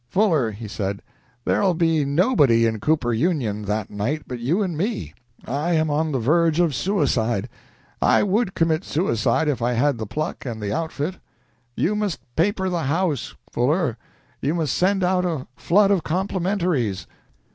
"Fuller," he said, "there'll be nobody in Cooper Union that night but you and me. I am on the verge of suicide. I would commit suicide if I had the pluck and the outfit. You must paper the house, Fuller. You must send out a flood of complimentaries!"